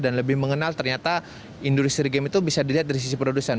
dan lebih mengenal ternyata industri game itu bisa dilihat dari sisi produsen